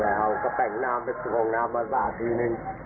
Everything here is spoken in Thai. เข้าไปเข้าไปได้แค่ถอยนี้อยู่แหละเอากระแป่งน้ำไปสวงน้ำมาสระทีนึง